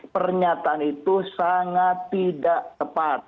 pernyataan itu sangat tidak tepat